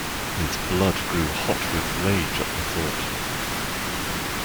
His blood grew hot with rage at the thought.